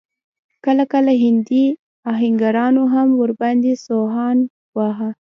کله کله هندي اهنګرانو هم ور باندې سوهان واهه.